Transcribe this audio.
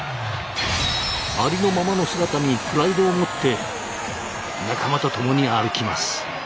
ありのままの姿にプライドを持って仲間と共に歩きます。